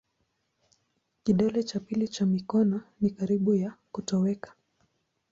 Kidole cha pili cha mikono ni karibu ya kutoweka.